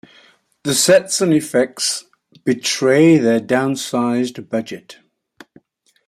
The sets and effects betray their downsized budget.